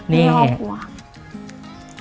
อ๋อมีห้องครัว